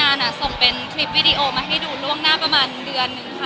ส่งเป็นคลิปวิดีโอมาให้ดูล่วงหน้าประมาณเดือนนึงค่ะ